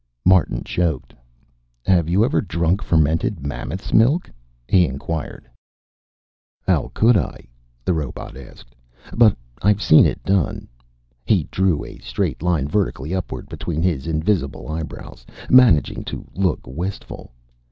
Martin choked. "Have you ever drunk fermented mammoth's milk?" he inquired. "How could I?" the robot asked. "But I've seen it done." He drew a straight line vertically upward between his invisible eyebrows, managing to look wistful.